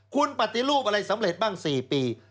คุณปฏิรูปอะไรสำเร็จบ้าง๔ปี